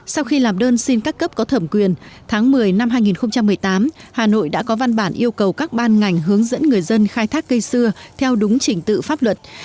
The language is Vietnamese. sau khi làm đơn xin các cấp có thẩm quyền tháng một mươi năm hai nghìn một mươi tám hà nội đã có văn bản yêu cầu các ban ngành hướng dẫn người dân khai thác cây xưa theo đúng trình tự pháp luật